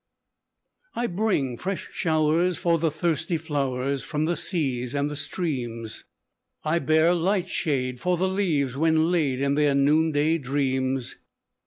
"I bring fresh showers for the thirsty flowers, From the seas and the streams, I bear light shade for the leaves when laid In their noonday dreams.